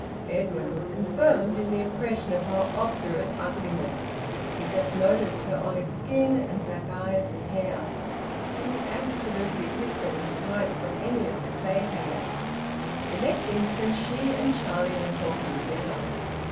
Edwin was confirmed in the impression of her obdurate ugliness. He just noticed her olive skin and black eyes and hair. She was absolutely different in type from any of the Clayhangers. The next instant she and Charlie were talking together.